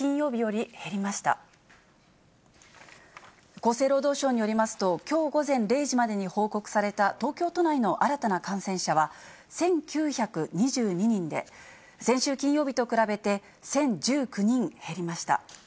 厚生労働省によりますと、きょう午前０時までに報告された東京都内の新たな感染者は、１９２２人で、先週金曜日と比べて１０１９人減りました。